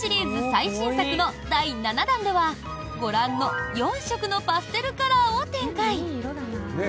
最新作の第７弾ではご覧の４色のパステルカラーを展開。